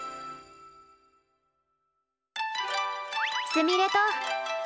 すみれと。